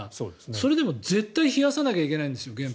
それでも絶対冷やさなきゃいけないんですよ。